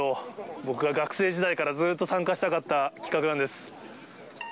僕が学生時代からずっと参加したかった企画なんです。